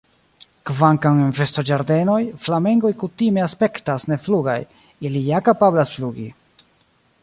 Kvankam en bestoĝardenoj, flamengoj kutime aspektas neflugaj, ili ja kapablas flugi.